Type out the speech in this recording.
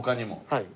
はい。